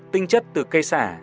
tinh chất từ cây sả